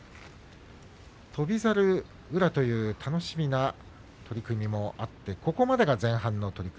翔猿、宇良という楽しみな取組もあって、そこまでが前半戦。